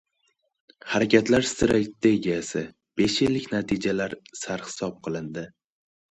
Harakatlar strategiyasi: besh yillik natijalar sarhisob qilindi